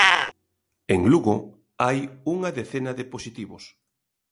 En Lugo hai unha decena de positivos.